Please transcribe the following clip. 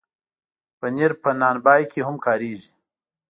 پنېر په نان بای کې هم کارېږي.